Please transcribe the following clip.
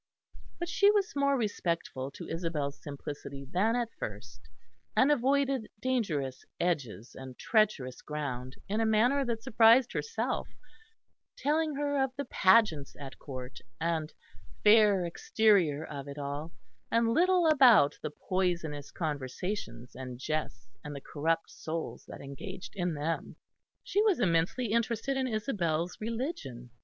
But she was more respectful to Isabel's simplicity than at first, and avoided dangerous edges and treacherous ground in a manner that surprised herself, telling her of the pageants at Court and fair exterior of it all, and little about the poisonous conversations and jests and the corrupt souls that engaged in them. She was immensely interested in Isabel's religion.